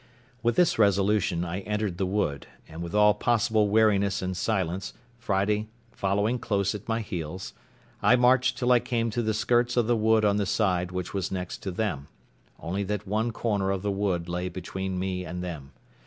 With this resolution I entered the wood, and, with all possible wariness and silence, Friday following close at my heels, I marched till I came to the skirts of the wood on the side which was next to them, only that one corner of the wood lay between me and them.